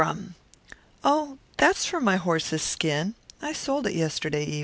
"Oh, for my horse's skin, I sold it yesterday."